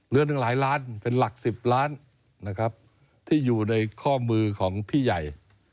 หนึ่งหลายล้านเป็นหลัก๑๐ล้านนะครับที่อยู่ในข้อมือของพี่ใหญ่